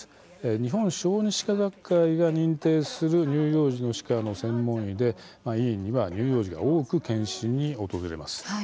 日本小児歯科学会が認定する乳幼児の歯科の専門医で医院には乳幼児が多く検診に訪れます。